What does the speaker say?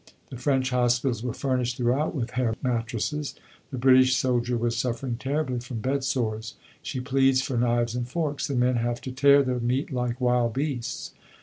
The French hospitals were furnished throughout with hair mattresses; the British soldier was suffering terribly from bed sores. She pleads for knives and forks: "the men have to tear their meat like wild beasts."